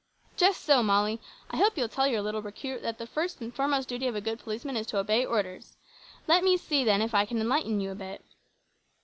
"Just so, Molly. I hope you'll tell your little recruit that the first and foremost duty of a good policeman is to obey orders. Let me see, then, if I can enlighten you a bit."